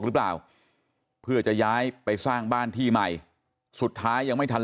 หรือเปล่าเพื่อจะย้ายไปสร้างบ้านที่ใหม่สุดท้ายยังไม่ทัน